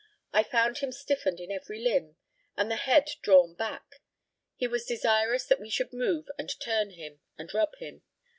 I found him stiffened in every limb, and the head drawn back. He was desirous that we should move and turn him, and rub him.